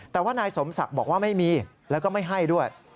แต่ว่านายสมศักดิ์บอกว่าไม่มีแล้วก็ไม่ให้ด้วย